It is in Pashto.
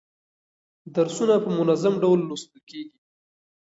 درسونه په منظم ډول لوستل کیږي.